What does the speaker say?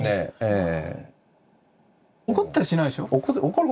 ええ。